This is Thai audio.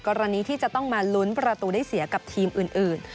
กรณีที่จะต้องมาลุ้นประตูได้เสียกับทีมอื่น